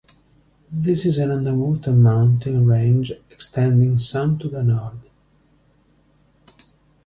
This is an underwater mountain range extending some to the north.